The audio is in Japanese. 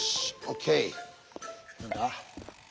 何だ？